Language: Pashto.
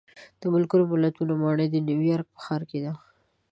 د ملګرو ملتونو ماڼۍ د نیویارک په ښار کې ده.